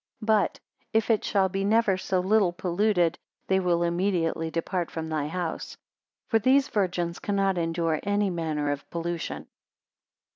But, if it shall be never so little polluted, they will immediately depart from thy house; for these virgins cannot endure any manner of pollution.